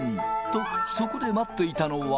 と、そこで待っていたのは。